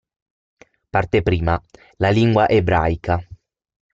Parte I: La lingua ebraica.